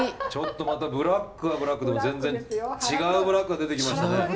ちょっとまたブラックはブラックでも全然違うブラックが出てきましたね。